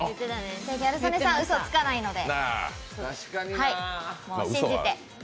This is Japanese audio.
ギャル曽根さん、うそつかないので、信じて。